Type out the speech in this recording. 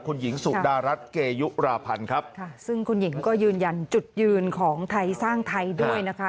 คุณหญิงสุดารัฐเกยุราพันธ์ครับค่ะซึ่งคุณหญิงก็ยืนยันจุดยืนของไทยสร้างไทยด้วยนะคะ